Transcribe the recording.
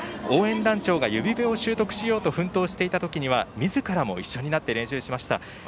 応援団長が指笛を習得しようと練習していたところみずからも一緒になって練習しました。